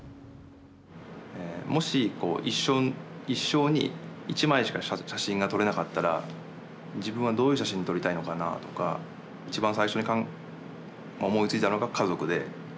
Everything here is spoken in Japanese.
もし一生に一枚しか写真が撮れなかったら自分はどういう写真撮りたいのかなとか一番最初に思いついたのが家族で。